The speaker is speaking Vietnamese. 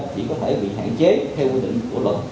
chỉ có thể bị hạn chế theo quy định của luật